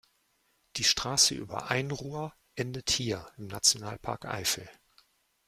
Die Straße über Einruhr endet hier, im Nationalpark Eifel.